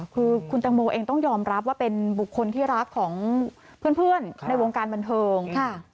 คือคุณแตงโมเองต้องยอมรับว่าเป็นบุคคลที่รักของเพื่อนในวงการบันเทิง